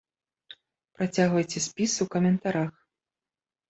Працягвайце спіс у каментарах!